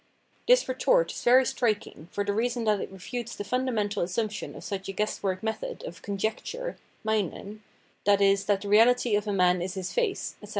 This retort is very striking, for the reason that it refutes the fundamental assumption of such a guess work method of " conjecture " {meinen), viz. that the reality of a man is his face, etc.